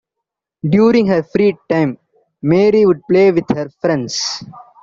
During her free time, Mary would play with her friends.